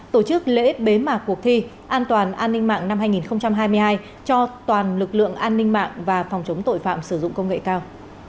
tổ chức lễ bế mạc cuộc thi an toàn an ninh mạng năm hai nghìn hai mươi hai cho toàn lực lượng an ninh mạng và phòng chống tội phạm sử dụng công nghệ cao